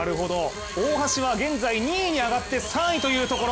大橋は現在２位に上がって、３位というところ。